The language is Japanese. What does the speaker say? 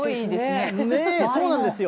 そうなんですよ。